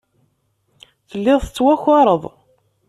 Telliḍ tettwakareḍ.